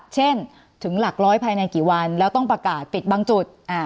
ถึงหลักร้อยภายในกี่วันแล้วต้องประกาศปิดบางจุด